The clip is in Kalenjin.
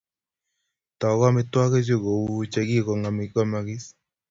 Toku amitwogichu kou che kikongemogis